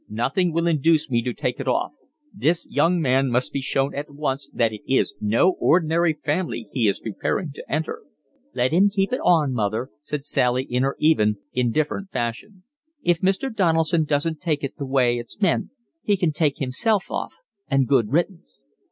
Nothing will induce me to take it off. This young man must be shown at once that it is no ordinary family he is preparing to enter." "Let him keep it on, mother," said Sally, in her even, indifferent fashion. "If Mr. Donaldson doesn't take it the way it's meant he can take himself off, and good riddance."